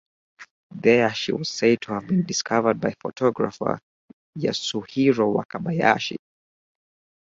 There she was said to have been discovered by photographer Yasuhiro Wakabayashi.